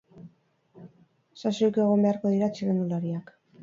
Sasoiko egon beharko dira txirrindulariak.